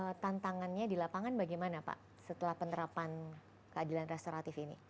nah tantangannya di lapangan bagaimana pak setelah penerapan keadilan restoratif ini